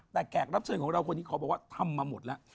แต่แขกรับเชิญของเราคนนี้ขอบอกว่าทำมาหมดแล้ว